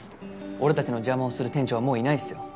俺たちの邪魔をする店長はもういないっすよ。